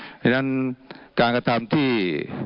เพราะฉะนั้นการกระทำที่